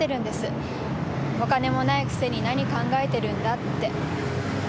お金もないくせに何考えてるんだって。